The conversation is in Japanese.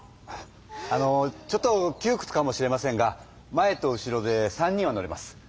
あのちょっときゅうくつかもしれませんが前と後ろで３人は乗れます。